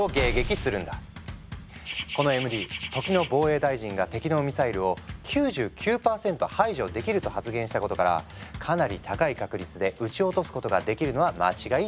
このＭＤ時の防衛大臣が敵のミサイルを「９９％排除できる」と発言したことからかなり高い確率で撃ち落とすことができるのは間違いなさそう。